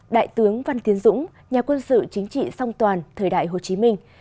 đại tướng văn tiến dũng nhà quân sự chính trị song toàn thời đại hồ chí minh